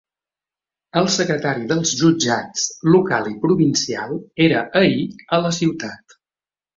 El secretari dels jutjats local i provincial era ahir a la ciutat.